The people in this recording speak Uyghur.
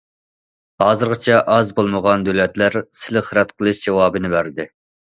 ھازىرغىچە ئاز بولمىغان دۆلەتلەر سىلىق رەت قىلىش جاۋابىنى بەردى.